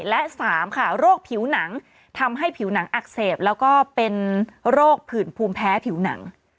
และ๓ค่ะโรคผิวหนังทำให้ผิวหนังอักเสบแล้วก็เป็นโรคผื่นภูมิแพ้ผิวหนัง